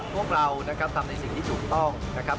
พวกเรานะครับทำในสิ่งที่ถูกต้องนะครับ